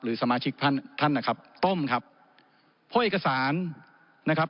สมาชิกท่านท่านนะครับต้มครับเพราะเอกสารนะครับ